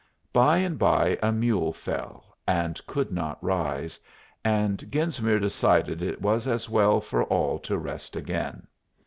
By and by a mule fell and could not rise, and Genesmere decided it was as well for all to rest again.